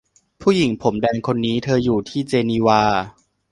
ผู้หญิงผมแดงคนนี้ เธออยู่ที่เจนีวา